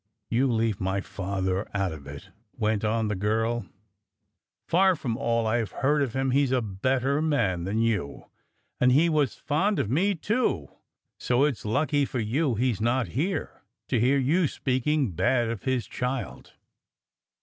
"You leave my father out of it," w*ent on the girl, "for from all I've heard of him he was a better man than you, and he was fond of me, too; so it's lucky for you he's not here to hear you speaking bad of his child."